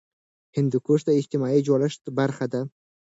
هندوکش د اجتماعي جوړښت برخه ده.